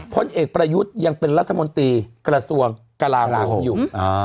พลเอกประยุทธ์ยังเป็นรัฐมนตรีกระทรวงกลาโหมอยู่